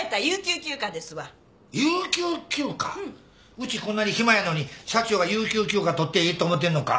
うちこんなに暇やのに社長が有給休暇取ってええと思ってんのか？